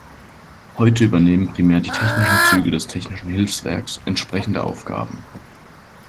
Heute übernehmen primär die Technischen Züge des Technischen Hilfswerks entsprechende Aufgaben.